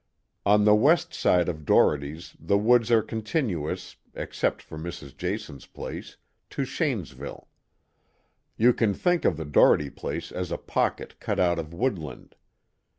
On the west side of Dohertys' the woods are continuous, except for Mrs. Jason's place, to Shanesville. You can think of the Doherty place as a pocket cut out of woodland.